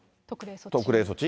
特例措置。